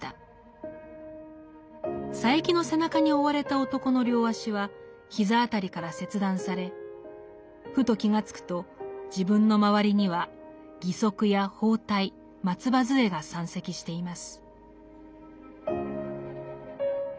佐柄木の背中に負われた男の両脚は膝辺りから切断されふと気が付くと自分の周りには義足や包帯松葉づえが山積しています。